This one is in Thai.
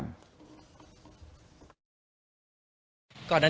อะไรครับ